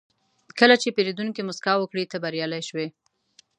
کله چې پیرودونکی موسکا وکړي، ته بریالی شوې.